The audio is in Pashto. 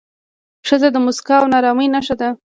ښځه د موسکا او نرمۍ نښه ده.